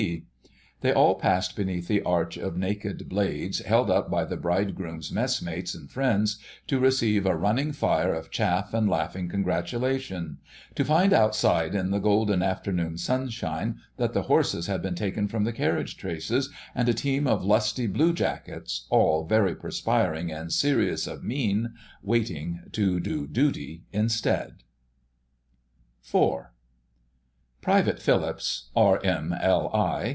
P. They all passed beneath the arch of naked blades held up by the Bridegroom's messmates and friends, to receive a running fire of chaff and laughing congratulation; to find outside in the golden afternoon sunshine that the horses had been taken from the carriage traces, and a team of lusty blue jackets, all very perspiring and serious of mien, waiting to do duty instead. *IV.* Private Phillips, R.M.L.I.